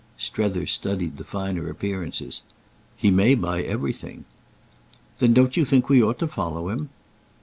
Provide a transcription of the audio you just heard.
Strether studied the finer appearances. "He may buy everything." "Then don't you think we ought to follow him?"